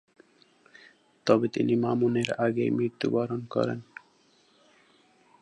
তবে তিনি মামুনের আগেই মৃত্যুবরণ করেন।